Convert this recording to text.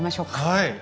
はい！